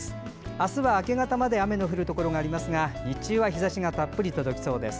明日は明け方まで雨の降るところがありますが日中は日ざしがたっぷりと届きそうです。